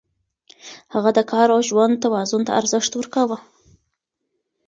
هغه د کار او ژوند توازن ته ارزښت ورکاوه.